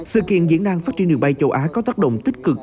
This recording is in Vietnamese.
sự kiện diễn đàn phát triển đường bay châu á có tác động tích cực